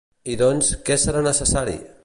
I doncs, què serà necessari?